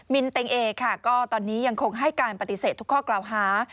นเต็งเอค่ะก็ตอนนี้ยังคงให้การปฏิเสธทุกข้อกล่าวหา